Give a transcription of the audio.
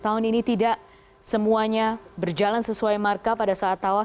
tahun ini tidak semuanya berjalan sesuai markah pada saat tawaf